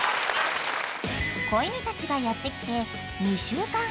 ［子犬たちがやって来て］